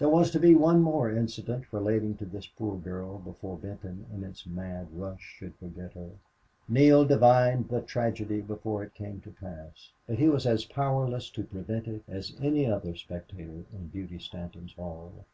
There was to be one more incident relating to this poor girl before Benton in its mad rush should forget her. Neale divined the tragedy before it came to pass, but he was as powerless to prevent it as any other spectator in Beauty Stanton's hall.